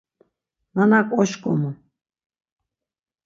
Nanak oşǩomu.